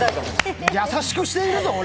優しくしてるぞ、俺。